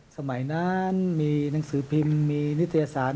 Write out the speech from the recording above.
สมัยนั้นมีหนังสือพิมพ์มีนิตยสาร